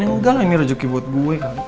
enggak lah ini rezeki buat gue